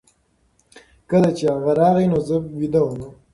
کله چې هغه راغی نو زه ویده وم.